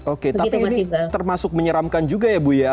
oke tapi ini termasuk menyeramkan juga ya bu ya